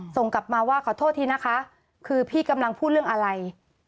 ส่งกลับมาว่าขอโทษทีนะคะคือพี่กำลังพูดเรื่องอะไร